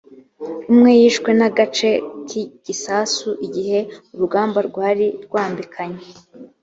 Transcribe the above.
umwe yishwe n agace k igisasu igihe urugamba rwari rwambikanye